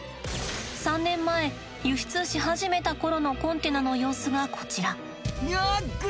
３年前輸出し始めた頃のコンテナの様子がこちら。